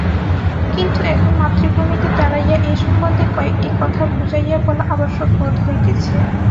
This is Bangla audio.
কিন্তু এখন মাতৃভূমিতে দাঁড়াইয়া এ সম্বন্ধে কয়েকটি কথা বুঝাইয়া বলা আবশ্যক বোধ হইতেছে।